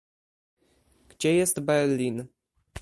Gdzie jest Berlin?